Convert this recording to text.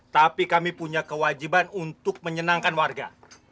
tapi kami punya kewajiban untuk menyenangkan warga